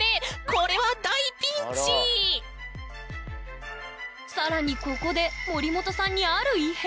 これは更にここで森本さんにある異変？